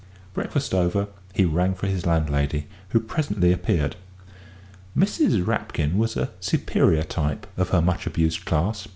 Breakfast over, he rang for his landlady, who presently appeared. Mrs. Rapkin was a superior type of her much abused class.